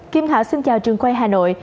kim thảo xin chào trường quay hà nội